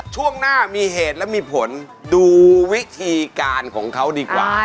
ช่วงหน้ามีเหตุและมีผลดูวิธีการของเขาดีกว่า